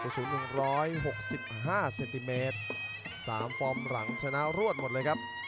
สูง๑๖๕เซนติเมตร๓ฟอร์มหลังชนะรวดหมดเลยครับ